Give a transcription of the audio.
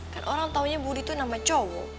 kan orang taunya budi tuh namanya cowok